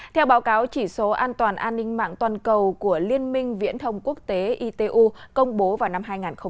theo báo cáo chỉ số an toàn an ninh mạng toàn cầu của liên minh viễn thông quốc tế itu công bố vào năm hai nghìn hai mươi